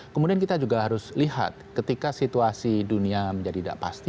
kemudian kita juga harus lihat ketika situasi dunia menjadi tidak pasti